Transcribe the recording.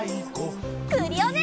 クリオネ！